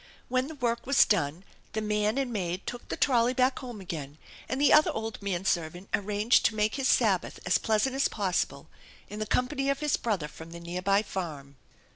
When the work was done the man and maid took the trolley back home again and the other old man servant arranged to make his Sabbath as pleasant as possible in the company of his brother from the near by farm.